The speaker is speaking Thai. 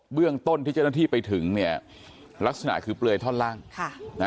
เบื้องต้นที่เจ้าหน้าที่ไปถึงนี่ลักษณะคือเปลยถ้านล่างค่ะ